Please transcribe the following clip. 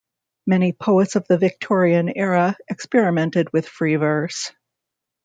Many poets of the Victorian era experimented with free verse.